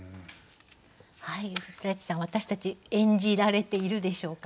古さん私たち演じられているでしょうか？